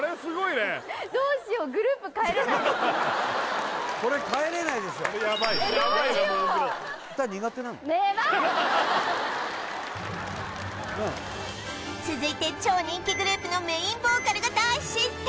ねえまっねえ続いて超人気グループのメインボーカルが大失態